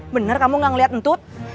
bener kamu gak ngeliat entut